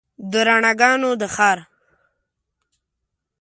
د رڼاګانو د ښار